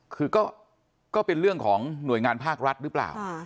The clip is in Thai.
คือก็เป็นเรื่องของหน่วยงานภาครัฐหรือเปล่า